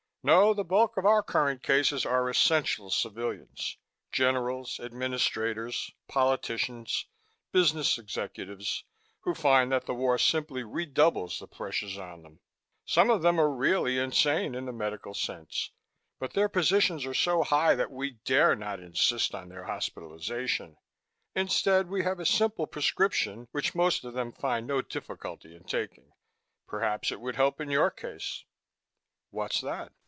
No, the bulk of our current cases are essential civilians: generals, administrators, politicians, business executives who find that the war simply redoubles the pressures on them. Some of them are really insane in the medical sense but their positions are so high that we dare not insist on their hospitalization. Instead, we have a simple prescription which most of them find no difficulty in taking. Perhaps it would help in your case." "What's that?"